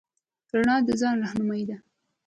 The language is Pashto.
رڼا د ځای رهنما ده.